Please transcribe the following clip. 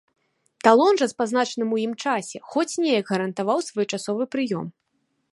Талон жа з пазначаным у ім часе хоць неяк гарантаваў своечасовы прыём.